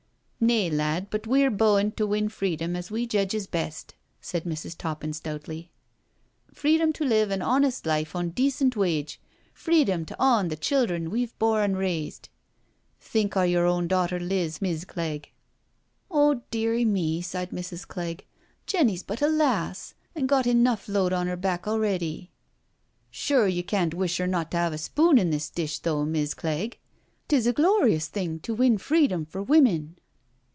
" Nay, lad, but we're beaund to win freedcmi as we jcdges best/' said Mrs. Toppin stoutly. " Freedom to JENNY'S CALL 6i live an honest life on decent wage— freedom to awn the childhern weVe bore an* raised. Think o' your awn daughter Liz^ Miss' Cleggt*' •* Oh, deary me/* sighed Mrs, Clegg. " Jenny's but a lass, and got enough load on 'er back a'ready." " Sure, you can't wish *er not to *ave a spoon in this dish though| Miss' Clegg? 'Tis a glorious thing to win freedom for women!